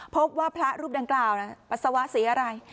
พบว่าพระรูปดังกล่าวปัสสาวะสีอะไร